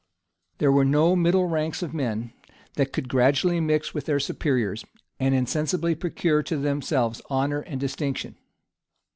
There were no middle ranks of men, that could gradually mix with their superiors, and insensibly procure to themselves honor and distinction.